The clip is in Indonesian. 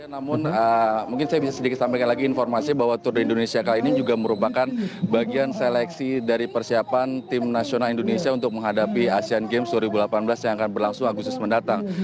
namun mungkin saya bisa sedikit sampaikan lagi informasi bahwa tour de indonesia kali ini juga merupakan bagian seleksi dari persiapan tim nasional indonesia untuk menghadapi asian games dua ribu delapan belas yang akan berlangsung agustus mendatang